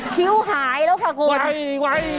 คิ้วหายแล้วค่ะคุณ